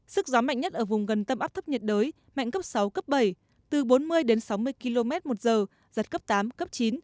sức gió mạnh nhất ở vùng gần tâm áp thấp nhiệt đới mạnh cấp sáu cấp bảy từ bốn mươi đến sáu mươi km một giờ giật cấp tám cấp chín